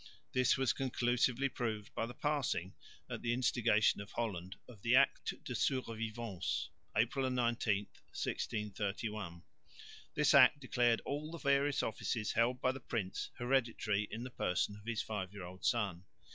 This was conclusively proved by the passing, at the instigation of Holland, of the Acte de Survivance (April 19,1631). This Act declared all the various offices held by the prince hereditary in the person of his five year old son.